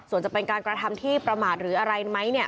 ส่วนจะเป็นการกระทำที่ประมาทหรืออะไรไหมเนี่ย